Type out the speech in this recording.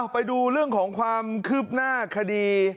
ไปดูเรื่องของความคืบหน้าคดี